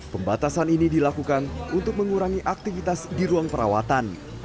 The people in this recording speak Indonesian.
pembatasan ini dilakukan untuk mengurangi aktivitas di ruang perawatan